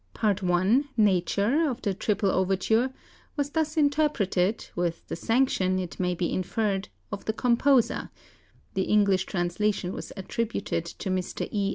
Part I "Nature" of the "Triple Overture" was thus interpreted, with the sanction, it may be inferred, of the composer (the English translation was attributed to Mr. E.